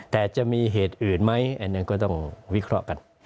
แต่จะมีเหตุอื่นไหมอันนั้นก็ต้องวิเคราะห์กัน